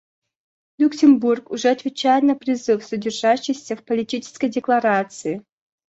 Люксембург уже отвечает на призыв, содержащийся в Политической декларации.